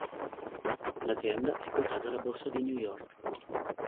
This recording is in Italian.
L'azienda è quotata alla Borsa di New York.